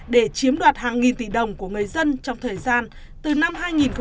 để chiếm đoạt hàng nghìn tỷ đồng của người dân trong thời gian từ năm hai nghìn một mươi bảy